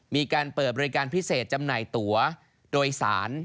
มีการเปิดบริการพิเศษจำหน่ายตัวโดยสาร